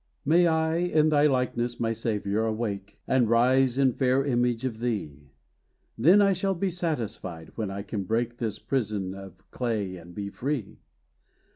May I in thy likeness, my Saviour, awake, And rise, a fair image of thee; Then I shall be satisfied, when I can break This prison of clay, and be free.